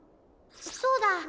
そうだ！